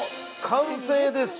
完成です！